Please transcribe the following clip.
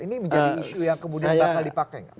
ini menjadi isu yang kemudian bakal dipakai enggak